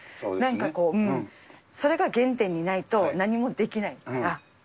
なんかこう、それが原点にないと何もできないから。